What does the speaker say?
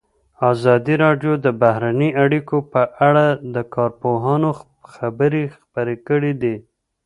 ازادي راډیو د بهرنۍ اړیکې په اړه د کارپوهانو خبرې خپرې کړي.